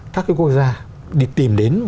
các cái quốc gia đi tìm đến